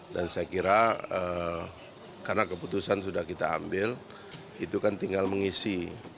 saya kira karena keputusan sudah kita ambil itu kan tinggal mengisi